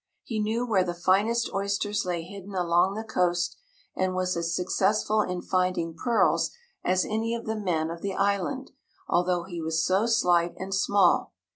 He knew where the finest oysters lay hidden along the coast and was as successful in finding pearls as any of the men of the island, although he was so slight and small.